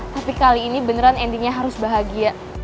tapi kali ini beneran endingnya harus bahagia